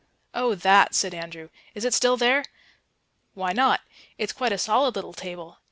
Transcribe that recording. "Oh, that?" said Andrew. "Is it still there?" "Why not? It's quite a solid little table.